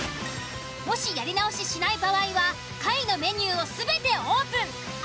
もしやり直ししない場合は下位のメニューを全てオープン。